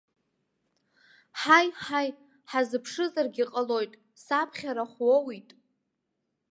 Ҳаи, ҳаи, ҳазыԥшызаргьы ҟалоит, саԥхьа рахә уоуит!